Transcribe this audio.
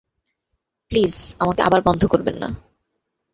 Please আমাকে আবার বন্ধ করবেন না।